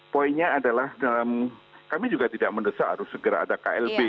poinnya adalah kami juga tidak mendesak harus segera ada klb